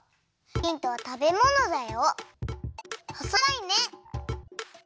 ヒントはたべものだよ。